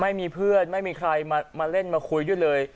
ไม่มีเพื่อนไม่มีใครมาเล่นมาคุยด้วยเลย